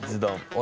俺！